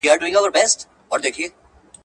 موږ باید په نړۍ کي د انسان احترام وکړو.